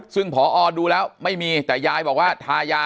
ซึ่งพอดูแล้วไม่มีแต่ยายบอกว่าทายา